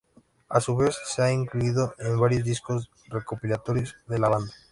A su vez se ha incluido en varios discos recopilatorios de la banda.